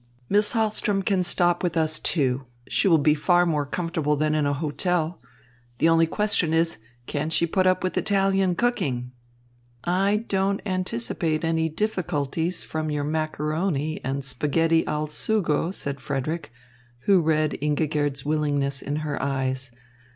"Miss Hahlström can stop with us, too. She will be far more comfortable than in a hotel. The only question is, can she put up with Italian cooking?" "I don't anticipate any difficulties from your macaroni and spaghetti al sugo," said Frederick, who read Ingigerd's willingness in her eyes.